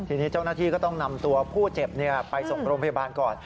ทีนี้เจ้าหน้าที่ก็ต้องนำตัวผู้เจ็บไปส่งโรงพยาบาลก่อน